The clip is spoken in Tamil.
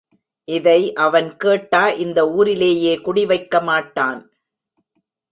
இதை அவன் கேட்டா இந்த ஊரிலேயே குடி வைக்க மாட்டான்.